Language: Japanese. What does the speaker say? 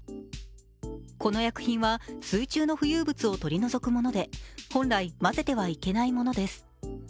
この薬品は水中の浮遊物を取り除くもので本来混ぜてはいけないものです。